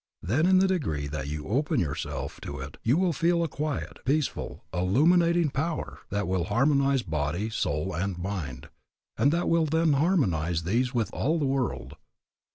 Then in the degree that you open yourself to it you will feel a quiet, peaceful, illuminating power that will harmonize body, soul, and mind, and that will then harmonize these with all the world.